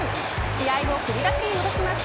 試合を振り出しに戻します。